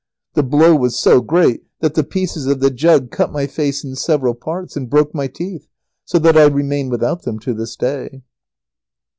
The blow was so great that the pieces of the jug cut my face in several parts and broke my teeth, so that I remain without them to this day.